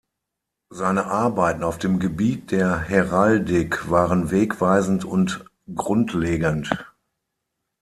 Seine Arbeiten auf dem Gebiet der Heraldik waren wegweisend und grundlegend.